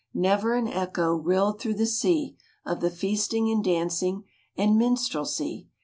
Never an echo Rilled through the sea Of the feasting and dancing And minstrelsy.